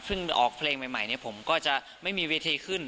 ซึ่งออกเพลงใหม่ผมก็จะไม่มีเวทีขึ้น